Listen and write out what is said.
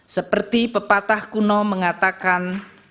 seperti pepatah kuno mengatakan